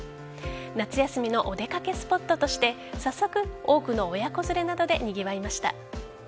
夏休みのお出掛けスポットとして早速、多くの親子連れなどでにぎわいました。